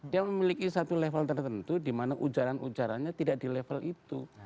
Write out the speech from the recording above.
dia memiliki satu level tertentu di mana ujaran ujarannya tidak di level itu